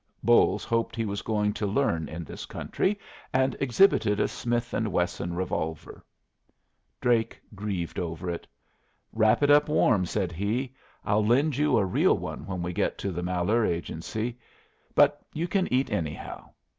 Bolles hoped he was going to learn in this country, and exhibited a Smith & Wesson revolver. Drake grieved over it. "Wrap it up warm," said he. "I'll lend you a real one when we get to the Malheur Agency. But you can eat, anyhow.